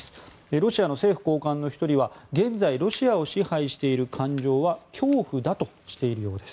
ロシアの政府高官の１人は現在ロシアを支配している感情は恐怖だとしているようです。